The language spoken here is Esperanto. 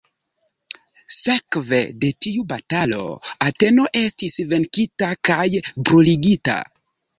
Sekve de tiu batalo, Ateno estis venkita kaj bruligita.